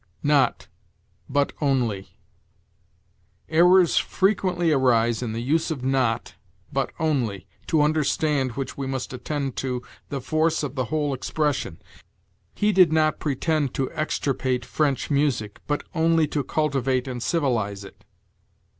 NOT BUT ONLY. "Errors frequently arise in the use of not but only, to understand which we must attend to the force of the whole expression. 'He did not pretend to extirpate French music, but only to cultivate and civilize it.'